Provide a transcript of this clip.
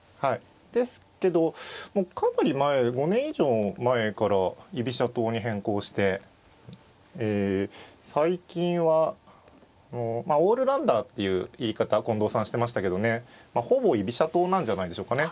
ですけどもうかなり前５年以上前から居飛車党に変更してえ最近はオールラウンダーっていう言い方近藤さんしてましたけどねほぼ居飛車党なんじゃないでしょうかね。